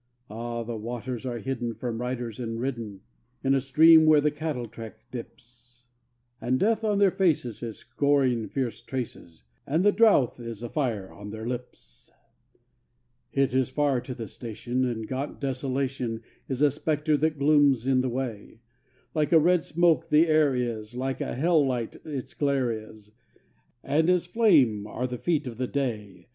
Ah! the waters are hidden from riders and ridden In a stream where the cattle track dips; And Death on their faces is scoring fierce traces, And the drouth is a fire on their lips. It is far to the station, and gaunt Desolation Is a spectre that glooms in the way; Like a red smoke the air is, like a hell light its glare is, And as flame are the feet of the day.